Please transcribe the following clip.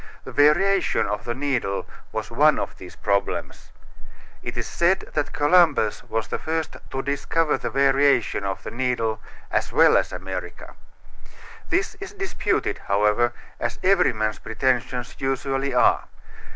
The variation of the needle was one of these problems. It is said that Columbus was the first to discover the variation of the needle, as well as America. This is disputed, however, as every man's pretensions usually are.